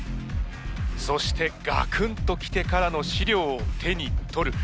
そしてガクンと来てからの資料を手に取る。